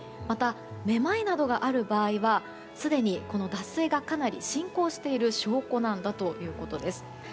また、めまいやなどがある場合はすでに脱水がかなり進行している証拠なんだということです。